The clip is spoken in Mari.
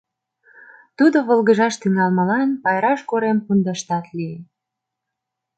Тудо волгыжаш тӱҥалмылан Пайраш корем пундаштат лие.